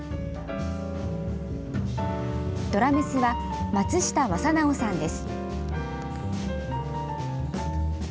ドラムスは松下マサナオさんです。